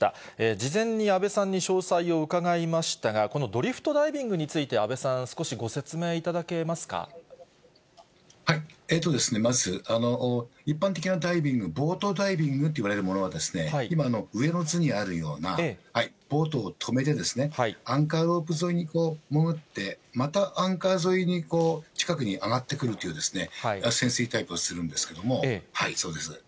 事前に安倍さんに詳細を伺いましたが、このドリフトダイビングについて安倍さん、少しご説明いたまず、一般的なダイビングのボートダイビングといわれるものは、今、上の図にあるような、ボートを止めて、アンカーロープ沿いに潜って、またアンカー沿いに近くに上がってくるという、潜水、ダイブをするんですけれども、そうです。